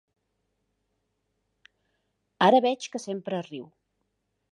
Ara veig que sempre riu.